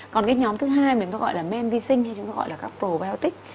còn cái nhóm thứ hai mình có gọi là men vi sinh hay chúng ta gọi là các probiotics